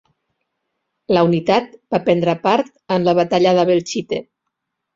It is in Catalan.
La unitat va prendre part en la batalla de Belchite.